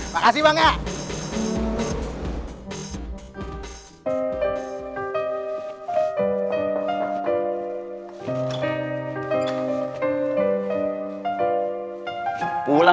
makasih bang ya